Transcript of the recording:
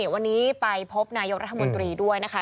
วันนี้ไปพบนายกรัฐมนตรีด้วยนะคะ